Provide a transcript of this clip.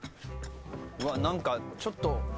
「うわ何かちょっと。